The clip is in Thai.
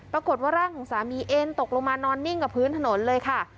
ปรากฏว่าร่างของสามีเอ็นตกลงมานอนนิ่งกับพื้นถนนเลยค่ะ